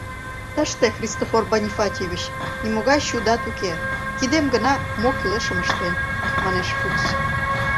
— Тыште, Христофор Бонифатьевич, нимогай чудат уке, кидем гына мо кӱлешым ыштен, — манеш Фукс.